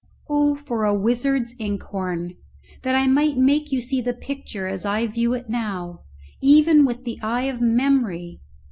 Oh for a wizard's inkhorn, that I might make you see the picture as I view it now, even with the eye of memory!